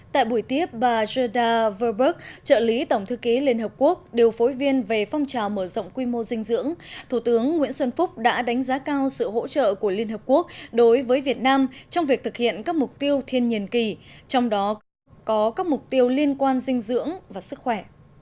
tại buổi tiếp bà geda verberg trợ lý tổng thư ký liên hợp quốc điều phối viên về phong trào mở rộng quy mô dinh dưỡng thủ tướng nguyễn xuân phúc đã đánh giá cao sự hỗ trợ của liên hợp quốc đối với việt nam trong việc thực hiện các mục tiêu thiên nhiên kỳ trong đó có các mục tiêu liên quan dinh dưỡng và sức khỏe